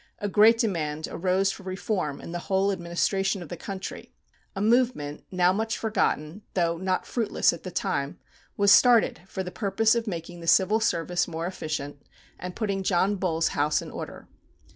A great demand arose for reform in the whole administration of the country. A movement, now much forgotten, though not fruitless at the time, was started for the purpose of making the civil service more efficient, and putting John Bull's house in order.